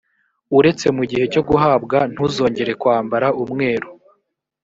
uretse mu gihe cyo guhabwa ntuzongere kwambara umweru